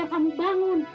ya kamu bangun